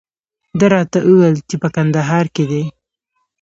ده راته وویل چې په کندهار کې دی.